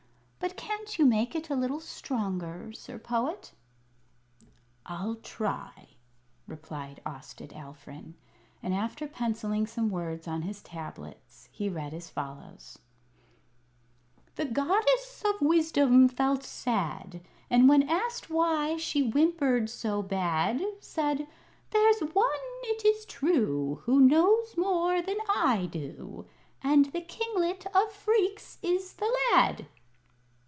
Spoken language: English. "But can't you make it a little stronger, Sir Poet?" "I'll try," replied Austed Alfrin; and after pencilling some words on his tablets he read as follows: "The Goddess of Wisdom felt sad; And when asked why she whimpered so bad, Said: 'There's one, it is true, Who knows more than I do And the Kinglet of Phreex is the lad!'"